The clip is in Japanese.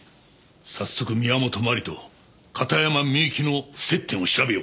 早速宮本真理と片山みゆきの接点を調べよう。